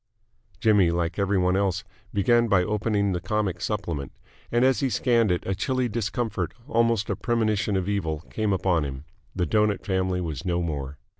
Jimmy, like every one else, began by opening the comic supplement: and as he scanned it a chilly discomfort, almost a premonition of evil, came upon him. The Doughnut Family was no more.